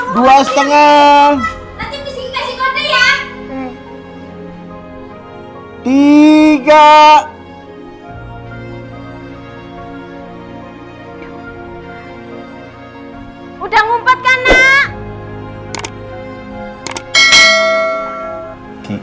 diam ya ngintip kok